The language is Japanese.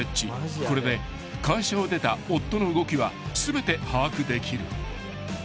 ［これで会社を出た夫の動きは全て把握できる］